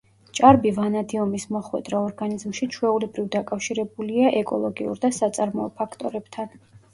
ჭარბი ვანადიუმის მოხვედრა ორგანიზმში ჩვეულებრივ დაკავშირებულია ეკოლოგიურ და საწარმოო ფაქტორებთან.